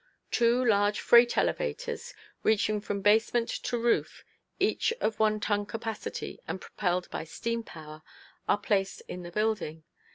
Two large freight elevators, reaching from basement to roof, each of one ton capacity and propelled by steam power, are placed in the building.